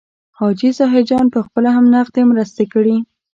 حاجي ظاهرجان پخپله هم نغدي مرستې کړي.